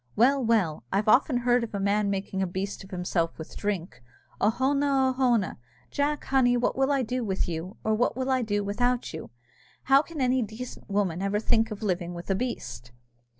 Well, well, I've often heard of a man making a beast of himself with drink! Oh hone, oh hone! Jack, honey, what will I do with you, or what will I do without you? How can any decent woman ever think of living with a beast?"